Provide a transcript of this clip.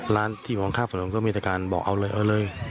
ร้านที่อยู่ข้างฝั่งนู้นก็มีแต่การบอกเอาเลยเอาเลย